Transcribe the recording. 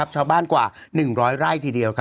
ชาวบ้านกว่า๑๐๐ไร่ทีเดียว